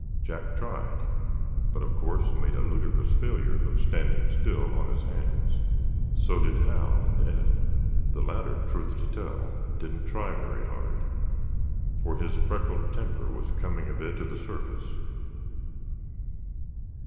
Jack tried, but of course made a ludicrous failure of standing still on his hands. So did Hal and Eph. The latter, truth to tell, didn't try very hard, for his freckled temper was coming a bit to the surface.